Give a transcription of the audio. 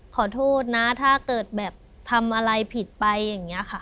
ขอโทษนะถ้าเกิดแบบทำอะไรผิดไปอย่างนี้ค่ะ